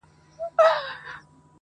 سم روان سو د خاوند د خوني خواته.!